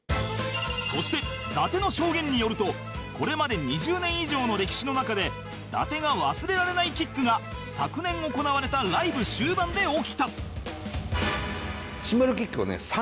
そして伊達の証言によるとこれまで２０年以上の歴史の中で伊達が忘れられないキックが昨年行われたライブ終盤で起きた